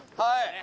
はい。